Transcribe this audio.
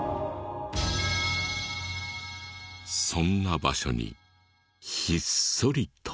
そんな場所にひっそりと。